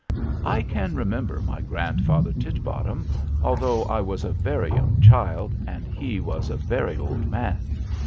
"I can remember my grandfather Titbottom, although I was a very young child, and he was a very old man.